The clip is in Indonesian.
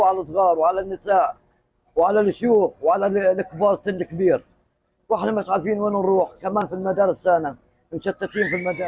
yang terakhir nara lagi